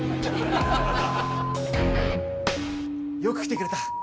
よく来てくれた！